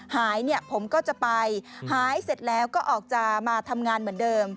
หายเนี่ยผมก็จะไปหายเสร็จแล้วก็ออกจะมาทำงานเหมือนเดิม